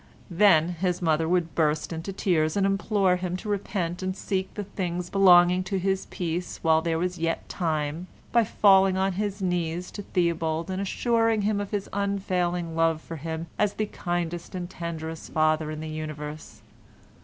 Then his mother would burst into tears and implore him to repent and seek the things belonging to his peace while there was yet time, by falling on his knees to Theobald and assuring him of his unfailing love for him as the kindest and tenderest father in the universe.